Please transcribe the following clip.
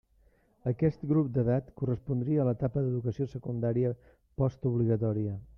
Aquest grup d'edat correspondria a l'etapa d'educació secundària post obligatòria.